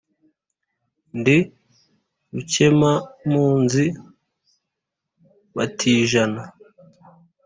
Ndi Rukemampunzi batijana,